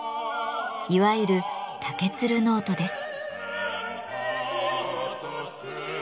いわゆる「竹鶴ノート」です。